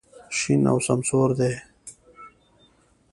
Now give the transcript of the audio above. شین او سمسور دی.